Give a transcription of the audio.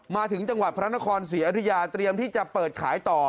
มาถึงจังหวัดพระนครศรีอยุธยาเตรียมที่จะเปิดขายต่อ